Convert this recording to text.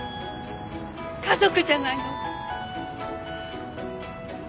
家族じゃないの。